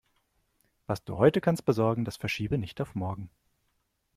Was du heute kannst besorgen, das verschiebe nicht auf morgen.